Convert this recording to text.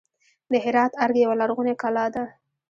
د هرات ارګ یوه لرغونې کلا ده